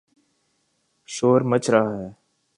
شور مچ رہا ہے۔